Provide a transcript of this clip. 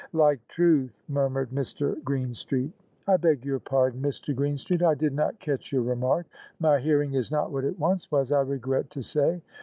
" Like truth," murmured Mr. Greenstreet. " I beg your pardon, Mr. Greenstreet, I did not catch your remark. My hearing is not what it once was, I regret to say."